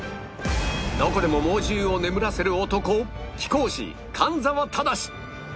どこでも猛獣を眠らせる男気功師神沢瑞至